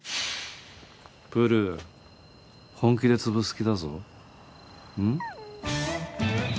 プール本気で潰す気だぞうん？